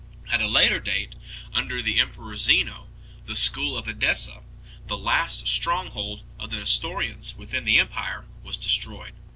At a later date, under the emperor Zeno, the school of Edessa, the last stronghold of the Nestorians within the empire, was destroyed.